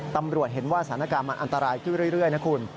ตำรวจเห็นว่าสถานการณ์มันอันตรายขึ้นเรื่อยนะคุณ